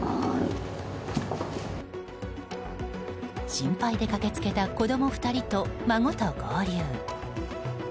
心配で駆け付けた子供２人と孫と合流。